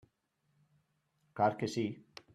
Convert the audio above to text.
Clar que sí.